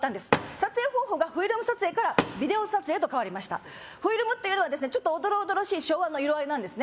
撮影方法がフィルム撮影からビデオ撮影へと変わりましたフィルムはちょっとおどろおどろしい昭和の色合いなんですね